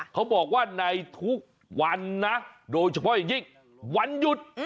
เขาบอกว่าในทุกวันนะโดยเฉพาะอย่างยิ่งวันหยุด